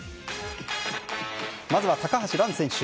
まずは高橋藍選手。